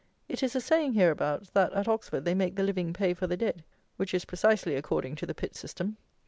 It is a saying, hereabouts, that at Oxford they make the living pay for the dead, which is precisely according to the Pitt System.